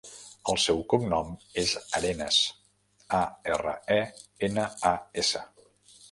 El seu cognom és Arenas: a, erra, e, ena, a, essa.